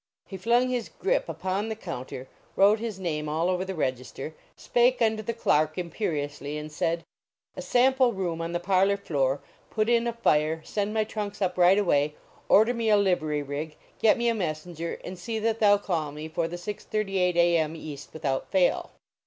He flung his grip upon the counter, wrote his name all over the register, spake unto the dark imperiously, and said : "A sample room on the parlor floor, put in a fire, send my trunks up right away, order me a livery rig, get me a messenger and see that thou call me for the 6:38 A. M. east without fail."